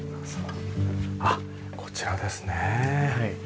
あこちらですね。